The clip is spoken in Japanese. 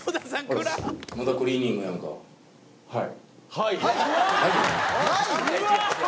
「はい」。